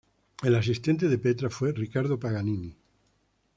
El asistente de Petra fue Ricardo Paganini.